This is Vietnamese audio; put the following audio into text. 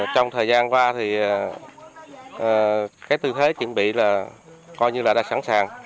trong thời gian qua thì cái tư thế chuẩn bị là coi như là đã sẵn sàng